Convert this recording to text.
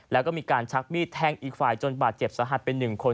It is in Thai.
แล้วก็มีการชักมีดแทงอีกฝ่ายจนบาดเจ็บสาหัสไป๑คน